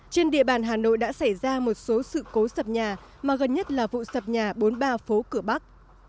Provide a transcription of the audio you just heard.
trên địa bàn hà nội đã xảy ra một số sự cố sập nhà mà gần nhất là vụ sập nhà bốn mươi ba phố cửa bắc